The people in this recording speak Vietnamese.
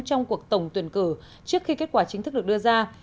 trong cuộc tổng tuyển cử trước khi kết quả chính thức được đưa ra